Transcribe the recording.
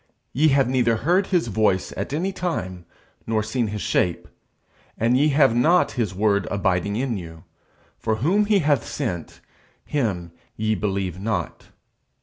_Ye have neither heard his voice at any time, nor seen his shape. And ye have not his word abiding in you; for whom he hath sent, him ye believe not_.